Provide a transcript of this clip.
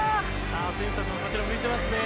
選手たちもこちら向いてますね。